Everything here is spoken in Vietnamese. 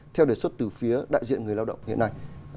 theo đề xuất từ phía đại diện người lao động hiện nay